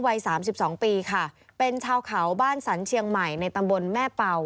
วัยสามสิบสองปีค่ะเป็นชาวเขาบ้านสรรเชียงใหม่ในตำบลแม่เป่า